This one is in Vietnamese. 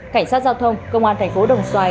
cảnh sát giao thông công an thành phố đồng xoài